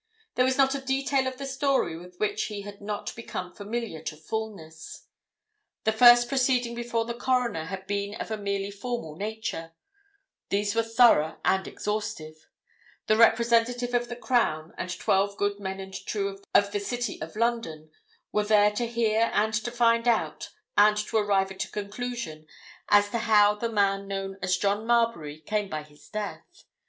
There was not a detail of the story with which he had not become familiar to fulness. The first proceeding before the coroner had been of a merely formal nature; these were thorough and exhaustive; the representative of the Crown and twelve good men and true of the City of London were there to hear and to find out and to arrive at a conclusion as to how the man known as John Marbury came by his death.